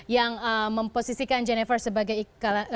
yang memposisikan jennifer sebagai